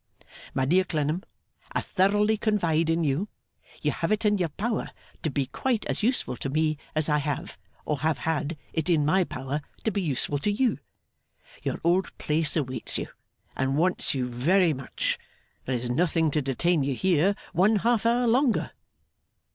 My dear Clennam, I thoroughly confide in you; you have it in your power to be quite as useful to me as I have, or have had, it in my power to be useful to you; your old place awaits you, and wants you very much; there is nothing to detain you here one half hour longer.